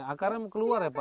akarnya keluar ya pak